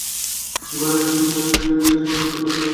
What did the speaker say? ঘরে গিয়া শশী মতিকে জিজ্ঞাসা করিল, কি, কষ্ট হচ্ছে রে মতি?